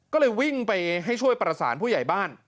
ก็เลยวิ่งไปให้ช่วยประสานผู้ใหญ่บ้าน